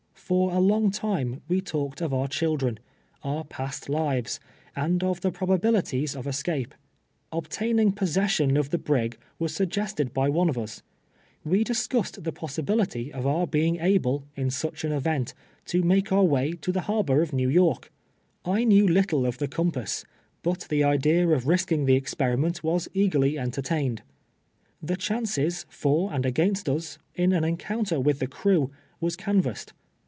For a long time we talked of our children, our past lives, and of the probabilities of escape. Obtaining possession of the brig was suggested by one of us. We discussed the possibility of our being able, in such an event, to make our way to the harbor of ISTew York. I knew little of the compass ; but the idea of risking the ex periment Avas eagerly entertained. Tlie chances, for and against us, in an encounter with the crew, was canvassed.